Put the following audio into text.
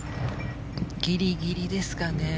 ギリギリですかね。